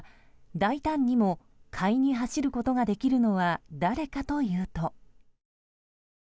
大胆にも買いに走ることができるのは、誰かというと。